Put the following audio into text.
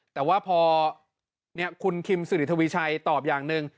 แต่ว่าพอคุณคิมสิริทวีชัยตอบอย่างหนึ่ง